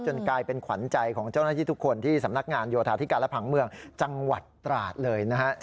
กลายเป็นขวัญใจของเจ้าหน้าที่ทุกคนที่สำนักงานโยธาธิการและผังเมืองจังหวัดตราดเลยนะฮะ